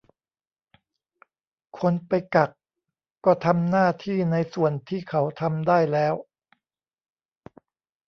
คนไปกักก็ทำหน้าที่ในส่วนที่เขาทำได้แล้ว